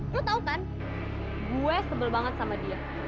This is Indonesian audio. lo tau kan gue sebel banget sama dia